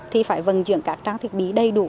thì phải vận chuyển các trang thiết bị đầy đủ